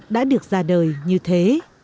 đã được ra đời như thế